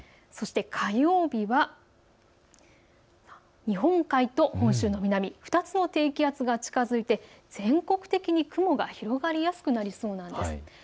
そして火曜日は日本海と本州の南、２つの低気圧が近づいて全国的に雲が広がりやすくなりそうです。